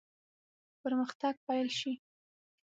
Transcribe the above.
پرمختګ پیل شي.